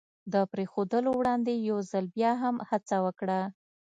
د پرېښودلو وړاندې یو ځل بیا هم هڅه وکړه.